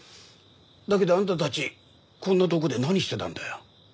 だけどあんたたちこんなとこで何してたんだよ。